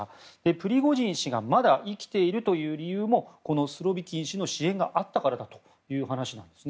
プリゴジン氏がまだ生きているという理由もこのスロビキン氏の支援があったからだという話です。